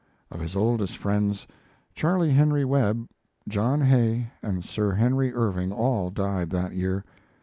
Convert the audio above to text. Of his oldest friends, Charles Henry Webb, John Hay, and Sir Henry Irving, all died that year.